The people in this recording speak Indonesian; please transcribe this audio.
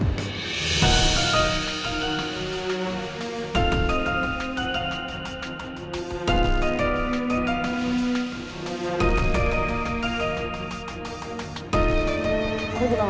ini naik nih curang